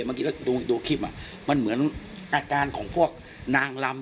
เมื่อกี้แล้วดูคลิปมันเหมือนอาการของพวกนางลำ